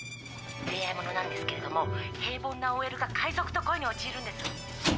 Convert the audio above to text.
恋愛ものなんですけれども平凡なＯＬが海賊と恋に落ちるんです。